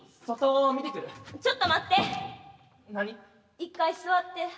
一回座って。